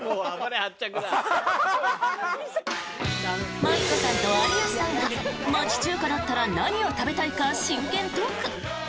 マツコさんと有吉さんが町中華だったら何を食べたいか真剣トーク。